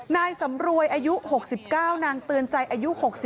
นายสำรวยอายุ๖๙นางเตือนใจอายุ๖๒